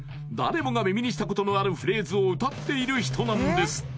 誰もが耳にしたことのあるフレーズを歌っている人なんです